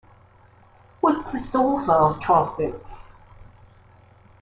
Woods is the author of twelve books.